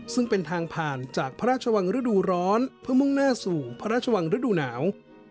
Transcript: ซึ่งเป็นทางผ่านจากพระราชวังฤดูร้อนเพื่อมุ่งหน้าสู่พระราชวังฤดูหนาว